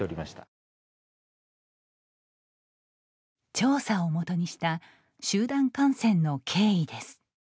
調査を基にした集団感染の経緯です。